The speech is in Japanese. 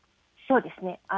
そうですね。